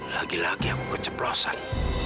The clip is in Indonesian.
lagi lagi aku keceprosan